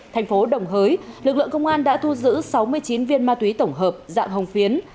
thành phố đồng hới lực lượng công an đã thu giữ sáu mươi chín viên ma túy tổng hợp dạng hồng phiến